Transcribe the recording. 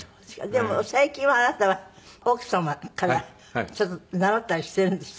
でも最近はあなたは奥様からちょっと習ったりしているんですって？